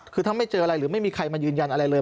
คือถ้าไม่เจออะไรหรือไม่มีใครมายืนยันอะไรเลย